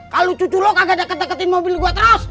kalau cucu lo kagak deket deketin mobil gue terus